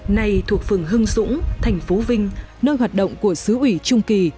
nay thuộc phường hưng dũng thành phố vinh nơi hoạt động của sứ ủy trung kỳ